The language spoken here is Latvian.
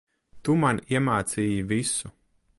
Tu, man iemācīji visu.